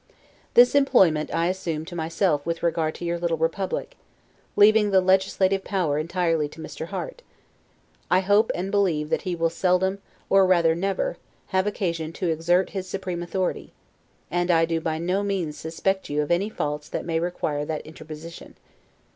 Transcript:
This employment I assume to myself with regard to your little republic, leaving the legislative power entirely to Mr. Harte; I hope, and believe, that he will seldom, or rather never, have occasion to exert his supreme authority; and I do by no means suspect you of any faults that may require that interposition.